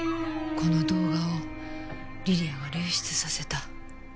この動画を梨里杏が流出させた。